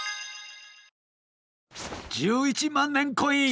１１まんねんコイン！